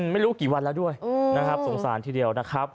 ไม่รู้กี่วันแล้วด้วยนะครับสงสารทีเดียวนะครับ